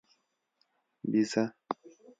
🐐 بزه